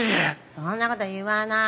そんなこと言わない。